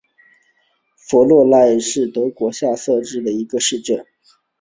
弗赖斯塔特是德国下萨克森州的一个市镇。